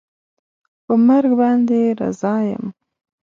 په مرګ باندې رضا یم